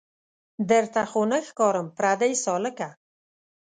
درته خو نه ښکارم پردۍ سالکه